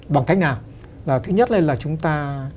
bằng cách nào thứ nhất là chúng ta